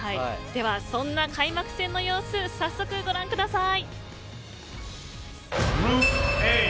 ではそんな開幕戦の様子早速ご覧ください。